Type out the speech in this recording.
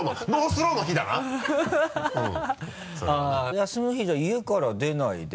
休みの日じゃあ家から出ないで。